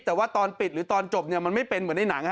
แต่ว่าตอนปิดหรือตอนจบมันไม่เป็นเหมือนในหนัง